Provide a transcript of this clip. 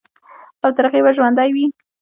او تر هغې به ژوندے وي،